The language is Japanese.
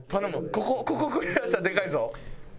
ここここクリアしたらでかいぞ。